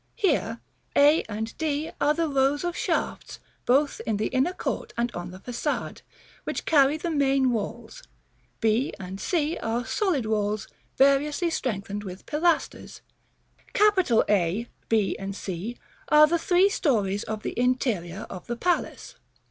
Here a and d are the rows of shafts, both in the inner court and on the Façade, which carry the main walls; b, c are solid walls variously strengthened with pilasters. A, B, C are the three stories of the interior of the palace.